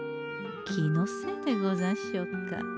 気のせいでござんしょうか？